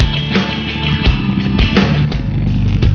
emang itu dia bookmark